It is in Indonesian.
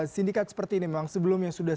sindikat seperti ini memang sebelumnya sudah